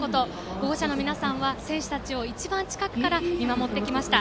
保護者の皆さんは選手たちを一番近くから見守ってきました。